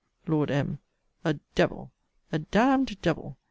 Lord M. A devil! a d d devil!